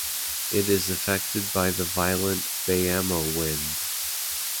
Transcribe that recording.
It is affected by the violent Bayamo wind.